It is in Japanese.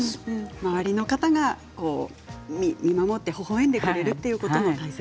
周りの方が見守ってほほえんでくれるということが大切。